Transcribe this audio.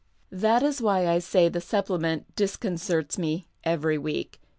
That is why I say the Supplement disconcerts me every week.